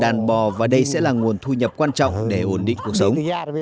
đây là nguồn đàn bò và đây sẽ là nguồn thu nhập quan trọng để ổn định cuộc sống